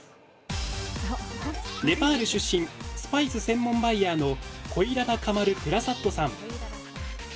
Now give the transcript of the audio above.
ネパール出身スパイス専門バイヤーのコイララ・カマル・プラサッドさん。